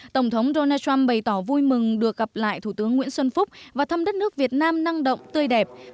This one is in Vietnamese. tổng thống donald trump bày tỏ vui mừng được gặp lại thủ tướng nguyễn xuân phúc và thăm đất nước việt nam năng động tươi đẹp